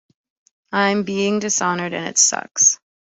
I'm being dishonored, and it sucks.